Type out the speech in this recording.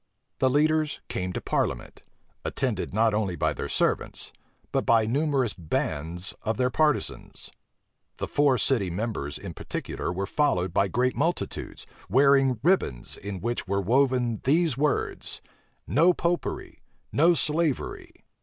The leaders came to parliament, attended not only by their servants, but by numerous bands of their partisans. The four city members in particular were followed by great multitudes, wearing ribbons, in which were woven these words, "No Popery! No slavery!"